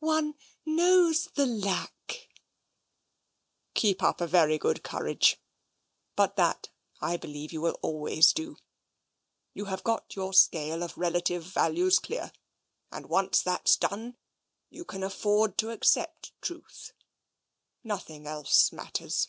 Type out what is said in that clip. One knows the lack " Keep up a very good courage — but that I believe you will always do. You have got your scale of relch tive values clear, and, once that's done, you can afford to accept truth. Nothing else matters.